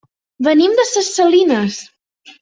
Venim de ses Salines.